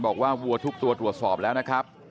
วัวทุกตัวตรวจสอบแล้วนะครับ